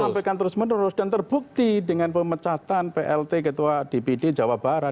sampaikan terus menerus dan terbukti dengan pemecatan plt ketua dpd jawa barat